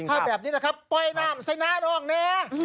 ถ้าแบบนี้นะครับปล่อยน้ำใส่หน้าน้องแน่